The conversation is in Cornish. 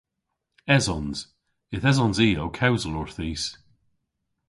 Esons. Yth esons i ow kewsel orthis.